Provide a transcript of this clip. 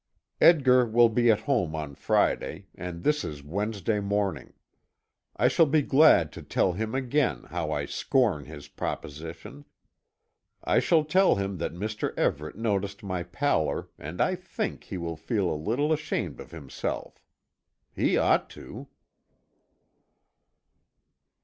Edgar will be at home on Friday, and this is Wednesday morning. I shall be glad to tell him again, how I scorn his proposition I shall tell him that Mr. Everet noticed my pallor, and I think he will feel a little ashamed of himself. He ought to.